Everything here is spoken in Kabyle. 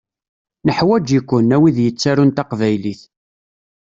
Neḥwaǧ-iken, a wid yettarun taqbaylit.